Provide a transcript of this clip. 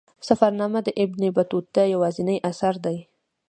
سفرنامه د ابن بطوطه یوازینی اثر دی.